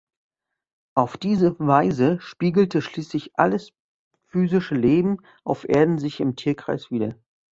Auf diese Weise spiegelte schließlich alles physische Leben auf Erden sich im Tierkreis wider.